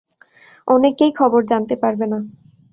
অনেকেই খবর জানতে পারবে না।